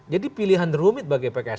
pilihan rumit bagi pks